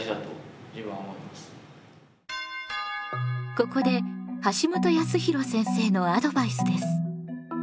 ここで橋本康弘先生のアドバイスです。